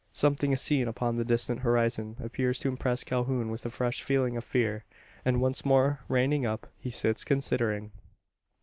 Something seen upon the distant horizon appears to impress Calhoun with a fresh feeling of fear; and, once more reining up, he sits considering.